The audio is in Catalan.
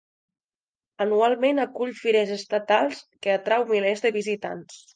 Anualment acull fires estatals, que atrau milers de visitants.